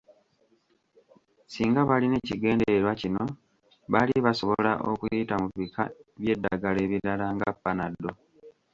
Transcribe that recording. Singa balina ekigendererwa kino baali basobola okuyita mu bika by’eddagala ebirala nga "Panadol".